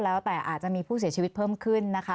แล้วแต่อาจจะมีผู้เสียชีวิตเพิ่มขึ้นนะคะ